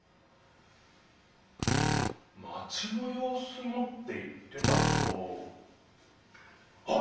「マチの様子も」って言ってたけどあっ